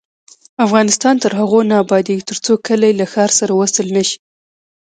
افغانستان تر هغو نه ابادیږي، ترڅو کلي له ښار سره وصل نشي.